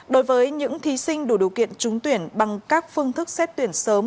đối với những thí sinh đủ điều kiện trúng tuyển bằng các phương thức xét tuyển sớm